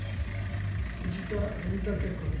藤田文武君。